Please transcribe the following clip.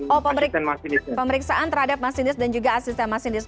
oh pemeriksaan terhadap masinis dan juga asisten masinis